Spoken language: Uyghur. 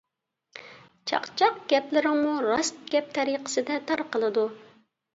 چاقچاق گەپلىرىڭمۇ راست گەپ تەرىقىسىدە تارقىلىدۇ.